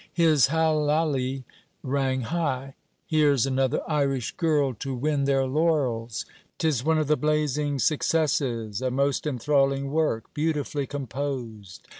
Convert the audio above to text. His hallali rang high. 'Here's another Irish girl to win their laurels! 'Tis one of the blazing successes. A most enthralling work, beautifully composed.